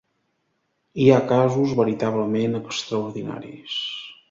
Hi ha casos veritablement extraordinaris.